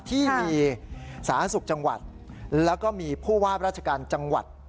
ที่มีสาธารณสุขจังหวัดแล้วก็มีผู้ว่าราชการจังหวัด